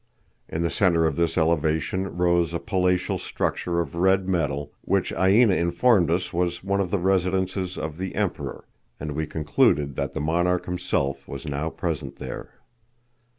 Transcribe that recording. In the centre of this elevation rose a palatial structure of red metal which Aina informed us was one of the residences of the Emperor, and we concluded that the monarch himself was now present there.